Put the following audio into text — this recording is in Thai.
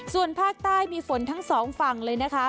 ส่วนภาคใต้มีฝนทั้งสองฝั่งเลยนะคะ